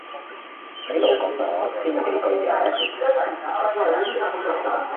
喺度講咗千幾句嘢